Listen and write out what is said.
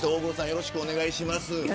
よろしくお願いします。